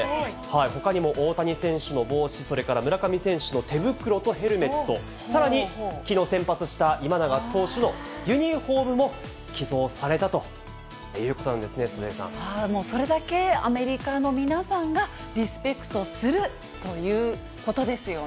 ほかにも大谷選手の帽子、それから村上選手の手袋とヘルメット、さらにきのう先発した今永投手のユニホームも寄贈されたというこそれだけ、アメリカの皆さんがリスペクトするということですよね。